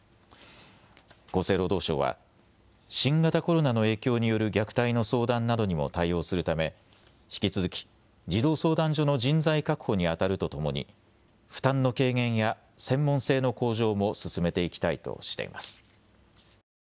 厚生労働省は新型コロナの影響による虐待の相談などにも対応するため引き続き児童相談所の人材確保にあたるとともに、負担の軽減や専門性の向上も進めていきたいとしています。